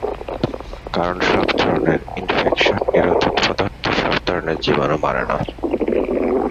কারণ সব ধরনের ইনফেকশন-নিরোধক পদার্থ সব ধরনের জীবাণু মারে না।